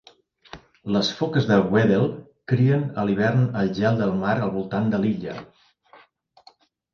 Les foques de Weddell crien a l'hivern al gel del mar al voltant de l'illa.